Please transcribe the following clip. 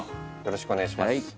よろしくお願いします